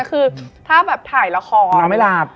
คือถ้าแบบถ่ายละครเราไม่หลับ